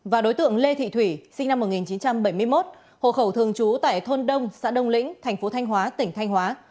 và đối tượng lê thị thủy sinh năm một nghìn chín trăm bảy mươi một hộ khẩu thường trú tại thôn đông xã đông lĩnh thành phố thanh hóa tỉnh thanh hóa